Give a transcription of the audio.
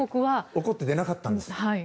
怒って出なかったんです。